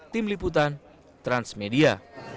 tim liputan transmedia